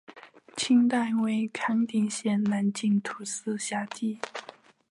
清代为康定县南境土司辖地。